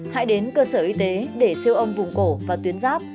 hãy đến cơ sở y tế để siêu âm vùng cổ và tuyến giáp